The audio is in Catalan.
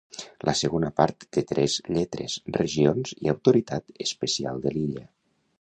La segona part té tres lletres: regions i autoritat especial de l'illa.